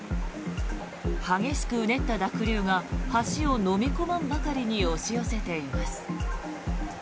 激しくうねった濁流が橋をのみ込まんばかりに押し寄せています。